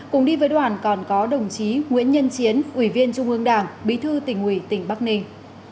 cùng đi với đoàn còn có đồng chí nguyễn nhân chiến ủy viên trung ương đảng bí thư tỉnh ủy tỉnh bắc ninh